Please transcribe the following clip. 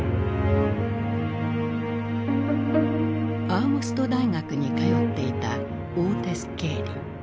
アーモスト大学に通っていたオーテス・ケーリ。